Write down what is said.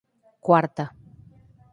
Cuarta